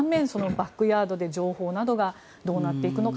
バックヤードで情報などがどうなっていくのか。